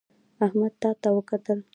احمد تا ته وکتل